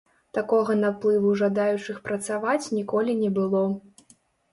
Такога наплыву жадаючых працаваць ніколі не было.